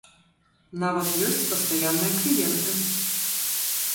Нават ёсць пастаянныя кліенты.